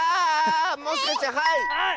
もしかしてはい！